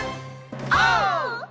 オー！